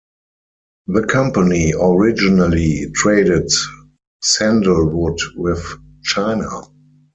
The company originally traded sandalwood with China.